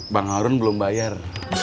bang harun belum bayar